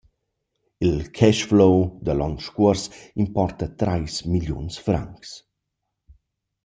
Il cash-flow da l’on scuors importa trais milliuns francs.